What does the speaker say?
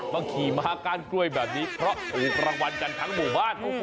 ขี่ม้าก้านกล้วยแบบนี้เพราะถูกรางวัลกันทั้งหมู่บ้าน